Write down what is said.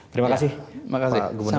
terima kasih pak gubernur